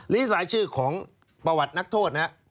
สายชื่อของประวัตินักโทษนะครับ